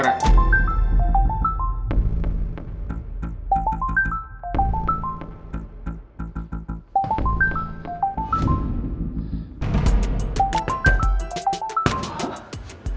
coba kita pindah ke sekolah